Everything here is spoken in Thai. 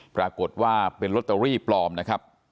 ปรากฏว่าเป็นลอตเตอรี่ปลอมนะครับ